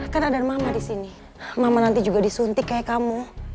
kan ada mama di sini mama nanti juga disuntik kayak kamu